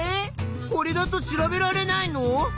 これだと調べられないの？